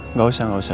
nggak usah nggak usah